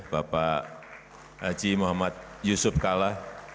bapak hj muhammad yusuf kalla